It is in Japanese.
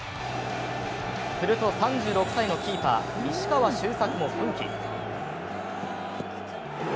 すると３６歳のキーパー西川周作も奮起。